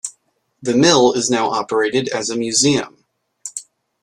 The mill is now operated as a museum.